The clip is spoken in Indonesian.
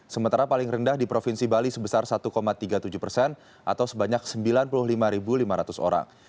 sementara paling rendah di provinsi bali sebesar satu tiga puluh tujuh persen atau sebanyak sembilan puluh lima lima ratus orang